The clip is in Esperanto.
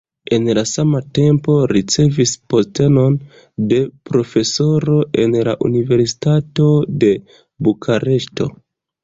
En la sama tempo ricevis postenon de profesoro en la universitato de Bukareŝto.